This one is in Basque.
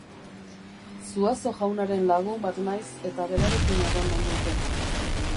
Zuazo jaunaren lagun bat naiz eta berarekin egon nahi nuke.